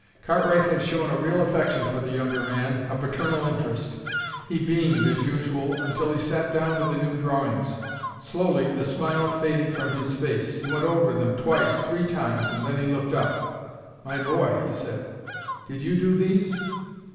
Cartwright had shown a real affection for the younger man, a paternal interest. He beamed, as usual, until he sat down with the new drawings. Slowly the smile faded from his face. He went over them twice, three times, and then he looked up. "My boy," he said, "did you do these?"